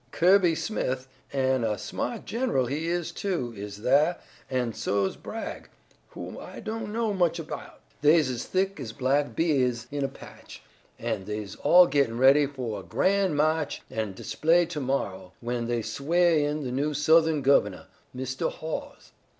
Ki'by Smith, an' a sma't gen'ral he is, too, is thah, an' so's Bragg, who I don't know much 'bout. They's as thick as black be'ies in a patch, an' they's all gettin ready fo' a gran' ma'ch an' display to mo'ow when they sweah in the new Southe'n gove'nuh, Mistah Hawes.